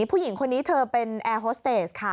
ผู้หญิงคนนี้เธอเป็นแอร์โฮสเตสค่ะ